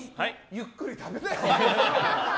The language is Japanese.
ゆっくり食べなよ。